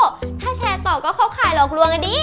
ถ้าไขมันเสียต่อก็เขาขายมากกว่างัดดี